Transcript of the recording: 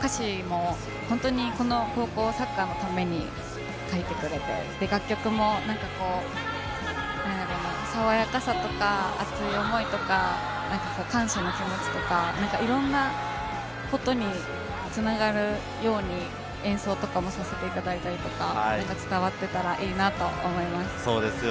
歌詞も本当にこの高校サッカーのために書いてくれて、楽曲も爽やかさとか、熱い思いとか、感謝の気持ちとか、いろんなことにつながるように、演奏とかも、させていただいたりとか、伝わっていたらいいなと思います。